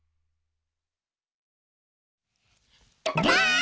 ばあっ！